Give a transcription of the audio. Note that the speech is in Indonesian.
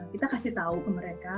kita kasih tahu ke mereka